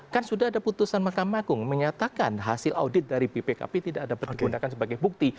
kan sudah ada putusan mahkamah agung menyatakan hasil audit dari bpkp tidak dapat digunakan sebagai bukti